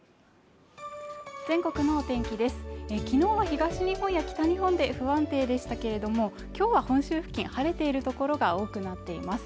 全国のお天気ですがきのうは東日本や北日本で不安定でしたけれどもきょうは本州付近晴れている所が多くなっています